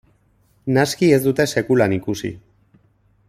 Naski ez dute sekulan ikusi.